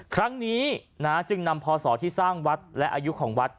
ครั้งนี้จึงนำพศที่สร้างวัดและอายุของวัด